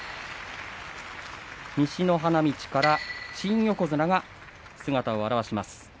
西の花道から新横綱が姿を現します。